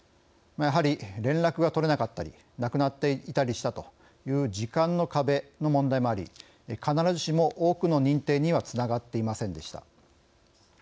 やはり、連絡が取れなかったり亡くなっていたりしたという時間の壁の問題もあり必ずしも多くの認定にはつながっていませんでした。